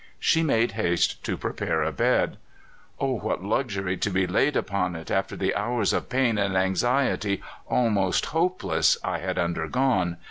She made haste to prepare a bed. "Oh, what luxury to be laid upon it, after the hours of pain and anxiety, almost hopeless, I had undergone!